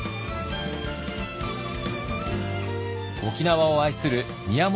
沖縄を愛する宮本